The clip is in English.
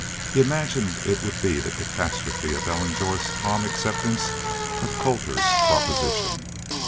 He imagined it would be the catastrophe of Ellen Jorth's calm acceptance of Colter's proposition.